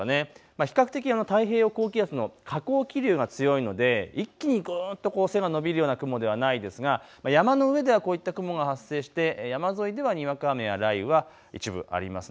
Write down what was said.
比較的、太平洋高気圧の下降気流が強いので一気にぐんと背が伸びるような雲ではないですが山の上ではこういった雲が発生して山沿いではにわか雨や雷雨が一部あります。